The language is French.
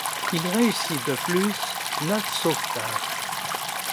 Il réussit de plus neuf sauvetages.